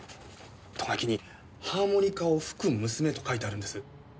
ト書きに「ハーモニカを吹く娘」と書いてあるんです。